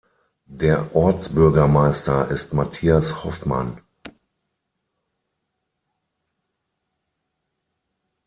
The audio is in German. Der Ortsbürgermeister ist Mathias Hoffmann.